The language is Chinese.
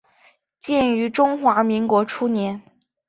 建于中华民国初年。